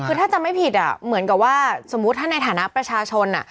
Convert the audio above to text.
คือถ้าจำไม่ผิดเหมือนกับว่าสมมุติถ้าในฐานะประชาชน